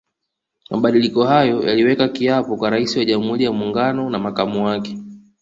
Mabadiliko hayo yaliweka kiapo kwa Raisi wa Jamhuri ya Muungano na makamu wake